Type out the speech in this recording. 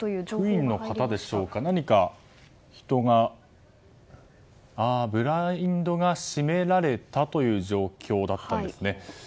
職員の方でしょうかブラインドが閉められたという状況だったんですね。